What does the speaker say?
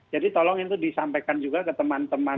jadi tolong itu disampaikan juga ke teman teman